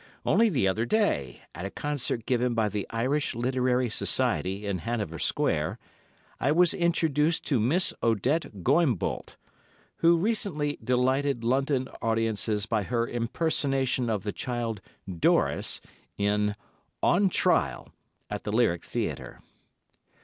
Only the other day, at a concert given by the Irish Literary Society in Hanover Square, I was introduced to Miss Odette Goimbault, who recently delighted London audiences by her impersonation of the child "Doris" in "On Trial" at the Lyric Theatre.